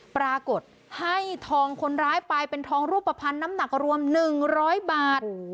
ปรากฏให้ทองคนร้ายไปเป็นทองรูปภัณฑ์น้ำหนักรวม๑๐๐บาท